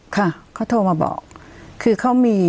ค่ะเขาโทรมาบอก